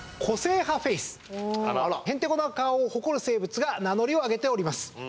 へんてこな顔を誇る生物が名乗りを上げております。